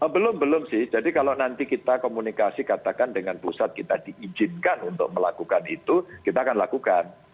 belum belum sih jadi kalau nanti kita komunikasi katakan dengan pusat kita diizinkan untuk melakukan itu kita akan lakukan